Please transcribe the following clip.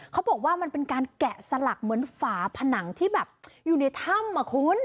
เขาบอกว่ามันเป็นการแกะสลักเหมือนฝาผนังที่แบบอยู่ในถ้ำอ่ะคุณ